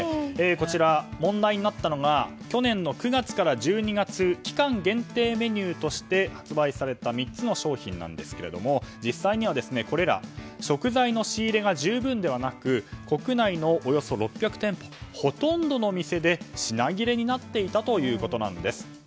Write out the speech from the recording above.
こちら、問題になったのが去年の９月から１２月期間限定メニューとして発売された３つのメニューですが実際には、これら食材の仕入れが十分ではなく国内のおよそ６００店舗ほとんどの店で品切れになっていたということなんです。